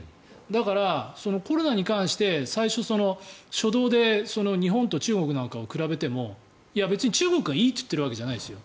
だから、コロナに関して最初、初動で日本と中国なんかを比べても別に中国がいいと言っているわけじゃないですよ。